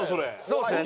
そうですね。